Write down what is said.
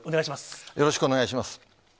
よろしくお願いします。